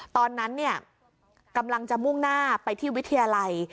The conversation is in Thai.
ตอนนั้นเนี่ยกำลังจะมุ่งหน้าไปที่วิทยาลัย